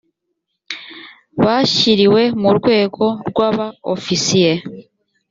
bashyiriwe mu rwego rwa ba ofisiye